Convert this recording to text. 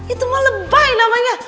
itu mah lebay namanya